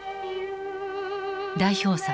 代表作